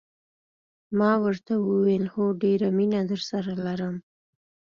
ما ورته وویل: هو، ډېره مینه درسره لرم.